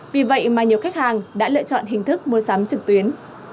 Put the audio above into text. vì vậy mà nhiều khách hàng đã lựa chọn hình thức mua sắm trực tuyến